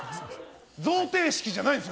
贈呈式じゃないです！